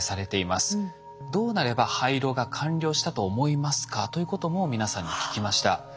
どうなれば廃炉が完了したと思いますかということも皆さんに聞きました。